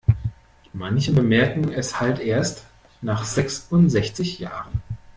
Manche bemerken es halt erst nach sechsundsechzig Jahren.